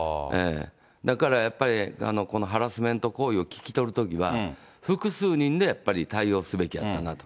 だからやっぱり、このハラスメント行為を聞き取るときは、複数人でやっぱり対応すべきやったなと。